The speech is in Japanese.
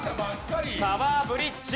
タワーブリッジ。